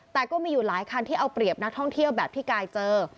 แต่ก็มีอยู่หลายคันที่เอาเปรียบนักท่องเที่ยวแบบที่กายเจอ